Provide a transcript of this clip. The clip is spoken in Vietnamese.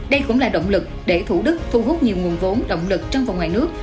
đây cũng là động lực để thủ đức thu hút nhiều nguồn vốn động lực trong và ngoài nước